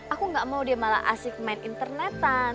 aku gak mau dia malah asik main internetan